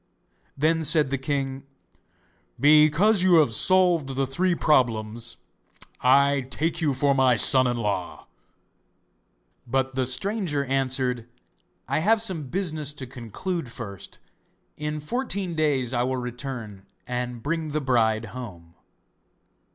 Then said the king: 'Because you have solved the three problems I take you for my son in law.' But the stranger answered: 'I have some business to conclude first; in fourteen days I will return and bring the bride home.